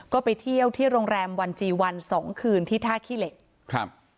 ก็ไปเที่ยวที่โรงแรมวันจีวันสองคืนที่ท่าขี้เหล็กครับ